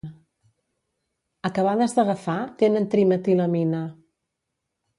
Acabades d'agafar tenen trimetilamina.